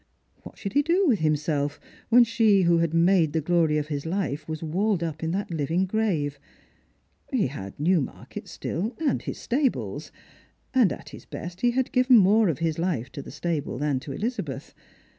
What should he do with himself, when she who had made the glory of his life was walled up in that living grave ? He had Newmarket still, and his stables ; and at his best he had given more of his life to the stable than to Bhzabeth.